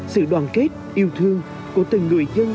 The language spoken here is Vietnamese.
sự đoàn kết yêu thương của từng người dân